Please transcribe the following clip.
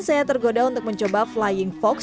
saya tergoda untuk mencoba flying fox